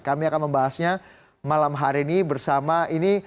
kami akan membahasnya malam hari ini bersama ini